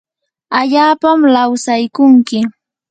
allapam lawsaykunki